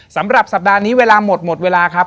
สำหรับสัปดาห์นี้เวลาหมดหมดเวลาครับ